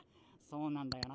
そうなんだよな。